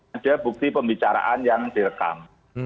ada bukti pembicaraan yang direkam